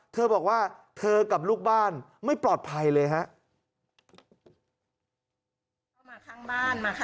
เธอบอกว่าเธอกับลูกบ้านไม่ปลอดภัยเลยฮะ